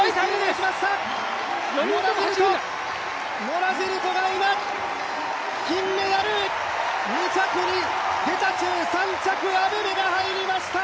ノラ・ジェルトが今、金メダル！２着にゲタチュー３着、アベベが入りました！